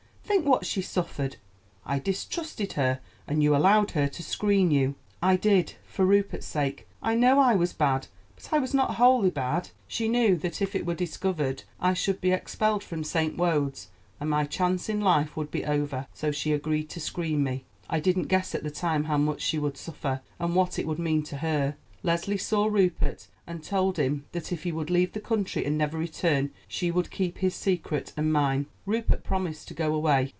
Think what she suffered. I distrusted her, and you allowed her to screen you." "I did, for Rupert's sake. I know I was bad, but I was not wholly bad. She knew that if it were discovered I should be expelled from St. Wode's, and my chance in life would be over, so she agreed to screen me. I didn't guess at the time how much she would suffer, and what it would mean to her. Leslie saw Rupert and told him that if he would leave the country, and never return, she would keep his secret and mine. Rupert promised to go away.